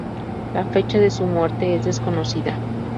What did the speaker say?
La fecha de su muerte es desconocida.